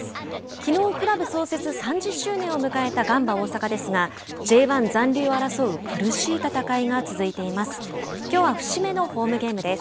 きのう、クラブ創設３０周年を迎えたガンバ大阪ですがＪ１残留を争う苦しい戦いが続いています。